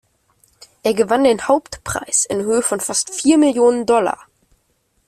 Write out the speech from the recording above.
Er gewann den Hauptpreis in Höhe von fast vier Millionen Dollar.